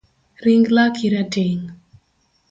Ring laki rateng’